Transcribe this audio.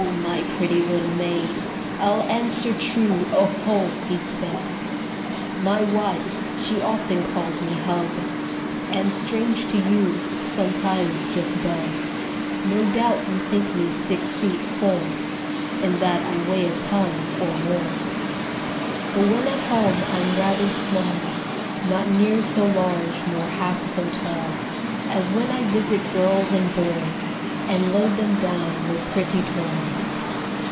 my pretty little maid. I'll answer true, 0 ho !" he said. Copyrighted, 1897. Y wife, she often calls me hub, ^ And, strange to you, sometimes just bub, No doubt you think me six feet, four, And that I weigh a ton or more, But when at home I'm rather small, Not near so large nor half so tall As when I visit girls and boys And load them down with pretty toys."